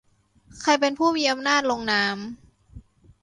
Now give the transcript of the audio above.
ใครเป็นผู้มีอำนาจลงนาม